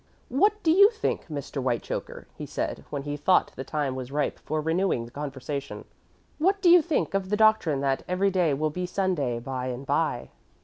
"What do you think, Mr. Whitechoker," he said, when he thought the time was ripe for renewing the conversation "what do you think of the doctrine that every day will be Sunday by and by?"